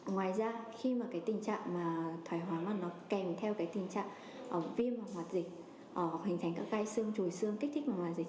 ngoài ra khi mà cái tình trạng mà thói hóa mà nó kèm theo cái tình trạng viêm hoạt dịch hình thành các gai xương trùi xương kích thích hoạt dịch